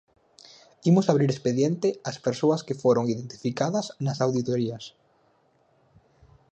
Imos abrir expediente ás persoas que foron identificadas nas auditorías.